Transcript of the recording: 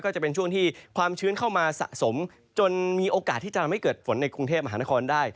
ก็จะเป็นช่วงที่ความชื้นเข้ามาสะสมจนมีโอกาสที่จะทำให้เกิดฝนในกรุงเทพมหานครได้